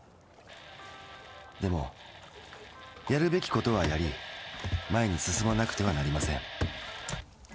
でもやるべきことはやり前に進まなくてはなりません。